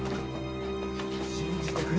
信じてくれ！